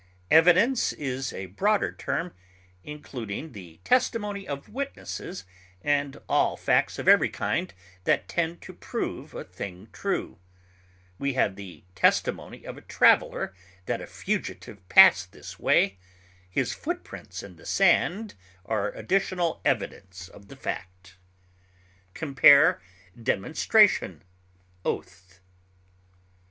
Evidence is a broader term, including the testimony of witnesses and all facts of every kind that tend to prove a thing true; we have the testimony of a traveler that a fugitive passed this way; his footprints in the sand are additional evidence of the fact. Compare DEMONSTRATION; OATH.